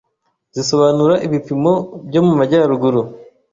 zisobanura ibipimo byo mu majyaruguru